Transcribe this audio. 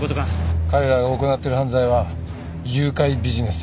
彼らが行ってる犯罪は誘拐ビジネス。